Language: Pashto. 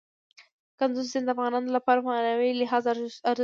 کندز سیند د افغانانو لپاره په معنوي لحاظ ارزښت لري.